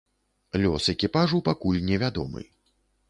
Лёс экіпажу пакуль невядомы.